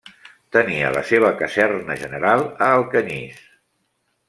Tenia la seva caserna general a Alcanyís.